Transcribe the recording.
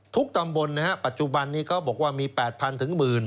ทุกตำบลปัจจุบันนี้เขาบอกว่ามี๘๐๐๐๑๐๐๐๐บาท